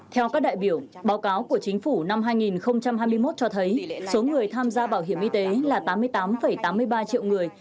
theo các đại biểu báo cáo của chính phủ năm hai nghìn hai mươi một cho thấy số người tham gia bảo hiểm y tế là tám mươi tám tám mươi ba triệu người